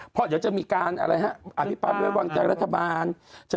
เพราะเดี๋ยวจะมีการอะไรฮะอภิปันไว้วางใจรัฐบาล